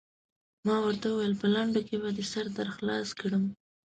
ما ورته وویل: په لنډو کې به دې سر در خلاص کړم.